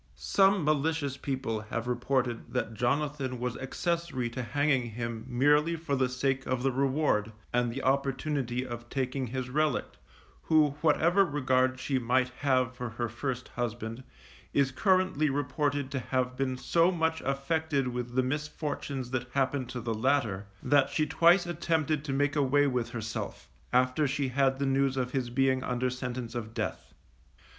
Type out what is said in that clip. Some malicious people have reported that Jonathan was accessory to hanging him merely for the sake of the reward, and the opportunity of taking his relict, who, whatever regard she might have for her first husband, is currently reported to have been so much affected with the misfortunes that happened to the latter, that she twice attempted to make away with herself, after she had the news of his being under sentence of death.